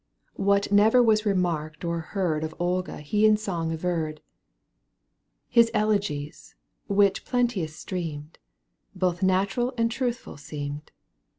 "What never was remarked or heard Of Olga he in song averred ; His elegies, which plenteous streamed. Both natural and truthful seemed.